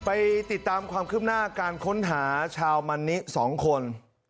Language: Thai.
ไปติดตามความคืบหน้าการค้นหาชาวมันนิ๒คน